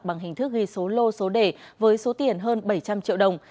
bằng hình thức ghi số lô số đề với số tiền hơn bảy trăm linh triệu đồng